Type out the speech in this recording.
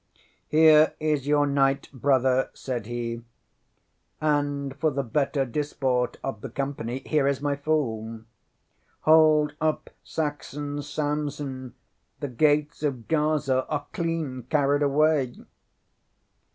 ŌĆśŌĆ£Here is your knight, Brother, ŌĆØ said he, ŌĆ£and for the better disport of the company, here is my fool. Hold up, Saxon Samson, the gates of Gaza are clean carried away!